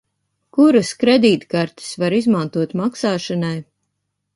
Kuras kredītkartes var izmantot maksāšanai?